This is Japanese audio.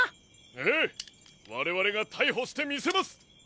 ええわれわれがたいほしてみせます！